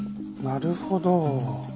なるほど。